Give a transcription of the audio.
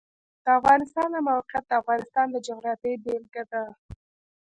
د افغانستان د موقعیت د افغانستان د جغرافیې بېلګه ده.